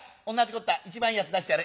こった一番いいやつ出してやれ。